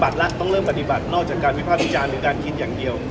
ต้องเริ่มปฏิบัตินอกจากการวิภาควิจารณ์หรือการคิดอย่างเดียว